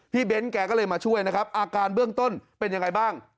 เบ้นแกก็เลยมาช่วยนะครับอาการเบื้องต้นเป็นยังไงบ้าง